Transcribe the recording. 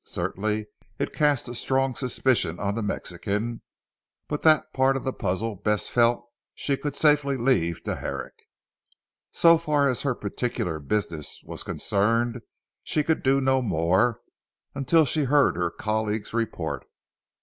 Certainly it cast a strong suspicion on the Mexican; but that part of the puzzle Bess felt she could safely leave to Herrick. So far as her particular business was concerned she could do no more, until she heard her colleague's report.